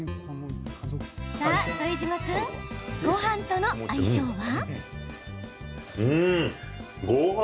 さあ、副島君ごはんとの相性は？